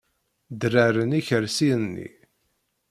Derreren ikersiyen-nni.